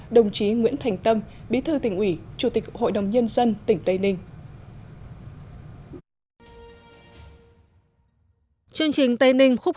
đồng chí nguyễn thành tâm bí thư tỉnh ủy chủ tịch hội đồng nhân dân tỉnh tây ninh